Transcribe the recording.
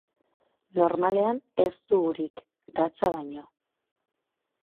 Normalean ez du urik, gatza baino.